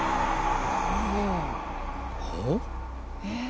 え？